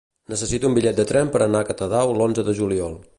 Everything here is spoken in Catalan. Necessito un bitllet de tren per anar a Catadau l'onze de juliol.